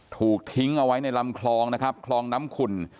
ถูกทิ้งเอาไว้ในลำคลองนะครับคลองน้ำขุ่น